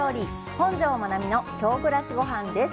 「本上まなみの京暮らしごはん」です！